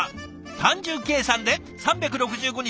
単純計算で３６５日